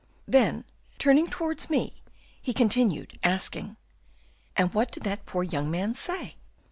Then, turning towards me, he continued, asking 'And what did that poor young man say?